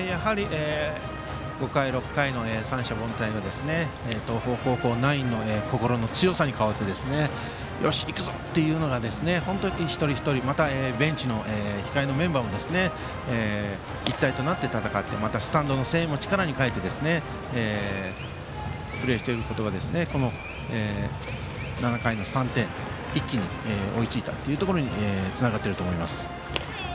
５回、６回の三者凡退は東邦高校ナインの心の強さに変わってよし、行くぞ！ということでまた、ベンチの控えのメンバーも一体となって戦ってスタンドの声援も力に変えてプレーしていることが、７回３点一気に追いついたというところにつながっていると思います。